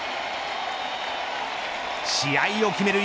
試合を決める